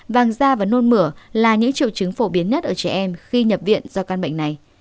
vàng da và nôn mửa là những triệu chứng phổ biến nhất ở trẻ em khi nhập viện do căn bệnh này